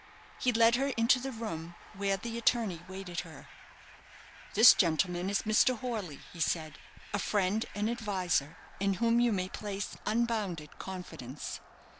He led her into the room where the attorney awaited her. "This gentleman is Mr. Horley," he said, "a friend and adviser in whom you may place unbounded confidence.